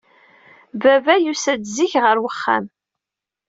Baba yusa-d zik ɣer uxxam.